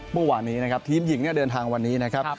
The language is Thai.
เมื่อวานนี้นะครับทีมหญิงเดินทางวันนี้นะครับ